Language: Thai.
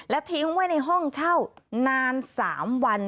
ทิ้งไว้ในห้องเช่านาน๓วัน